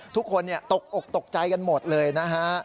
ทุกคนตกอกตกใจกันหมดเลยนะฮะ